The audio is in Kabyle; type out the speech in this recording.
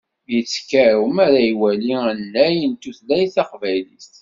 Ittkaw mi ara iwali annay n tutlayt taqbaylit.